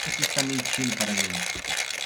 Você está mentindo para mim.